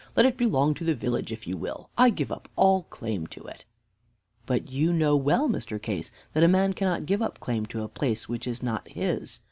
Let it belong to the village if you will. I give up all claim to it." "But you know well, Mr. Case, that a man cannot give up claim to a place which is not his.